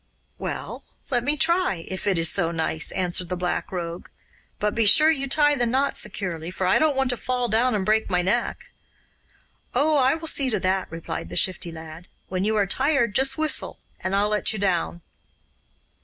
'Well, let me try, if it is so nice,' answered the Black Rogue. 'But be sure you tie the knot securely, for I don't want to fall down and break my neck.' 'Oh, I will see to that!' replied the Shifty Lad. 'When you are tired, just whistle, and I'll let you down.